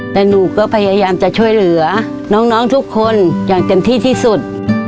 แต่หนูก็พยายามจะช่วยเหลือน้องทุกคนอย่างเต็มที่ที่สุด